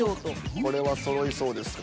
これはそろいそうですか？